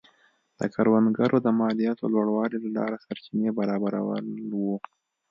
د کروندګرو د مالیاتو لوړولو له لارې سرچینې برابرول و.